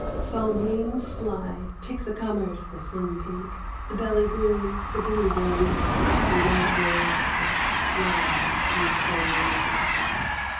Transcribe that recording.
Foam wings, fly ; pick the comers, the fin pink, the belly green, the blue rain sparks, the white wave spit — fly, you foam wings.